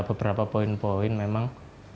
beberapa poin poin memang